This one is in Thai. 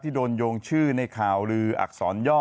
โดนโยงชื่อในข่าวลืออักษรย่อ